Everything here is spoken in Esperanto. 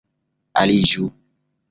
aliĝu